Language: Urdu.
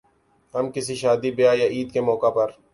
بس کسی شادی بیاہ یا عید کے موقع پر